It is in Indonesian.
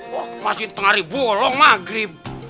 wah masih tengah ribu lo maghrib